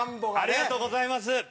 ありがとうございます！